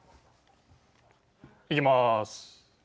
いきます。